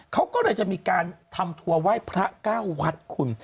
เขาก็เลยจะมีการทำถั่วไหว้พระก้าวหวัดขุน